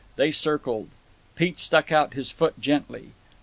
They circled. Pete stuck out his foot gently.